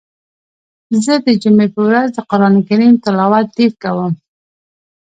زه د جمعی په ورځ د قرآن کریم تلاوت ډیر کوم.